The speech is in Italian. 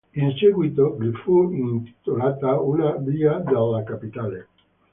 In seguito gli fu intitolata una via della Capitale.